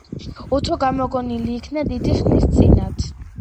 უთო გამოგონილი იქნა დიდი ხნის წინათ.